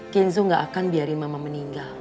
kinzu gak akan biarin mama meninggal